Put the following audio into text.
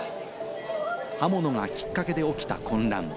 刃物がきっかけで起きた混乱。